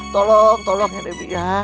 tolong tolong ya debi ya